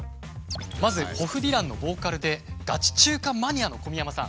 まずホフディランのボーカルでガチ中華マニアの小宮山さん。